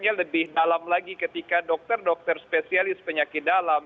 ya lebih dalam lagi ketika dokter dokter spesialis penyakit dalam